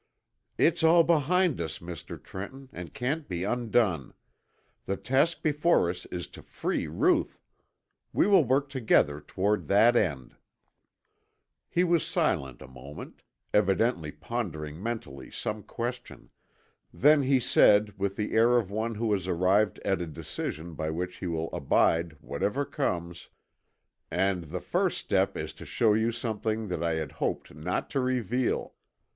"It's all behind us, Mr. Trenton, and can't be undone. The task before us is to free Ruth. We will work together toward that end," I answered. He was silent a moment, evidently pondering mentally some question, then he said with the air of one who has arrived at a decision by which he will abide whatever comes, "And the first step is to show you something that I had hoped not to reveal.